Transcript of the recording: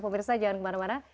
pemirsa jangan kemana mana